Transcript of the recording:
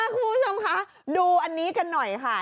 คุณผู้ชมคะดูอันนี้กันหน่อยค่ะ